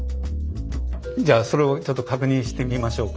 じゃあそれをちょっと確認してみましょうか。